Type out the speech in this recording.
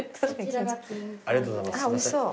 ありがとうございます。